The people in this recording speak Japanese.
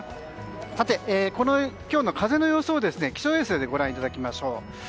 さて、今日の風の様子を気象衛星でご覧いただきましょう。